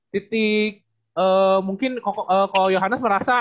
titik mungkin kalau yohannes merasa